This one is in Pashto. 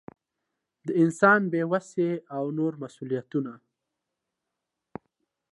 د انسان بې وسي او نور مسؤلیتونه.